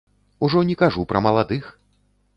Ужо не кажу пра маладых.